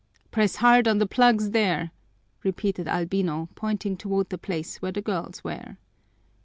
"Press hard on the plugs there!" repeated Albino, pointing toward the place where the girls were.